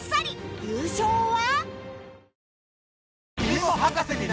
優勝は！？